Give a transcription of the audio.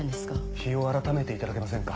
日を改めていただけませんか？